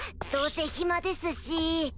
どうせ暇ですし。